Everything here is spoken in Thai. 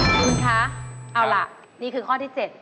คุณคะเอาล่ะนี่คือข้อที่๗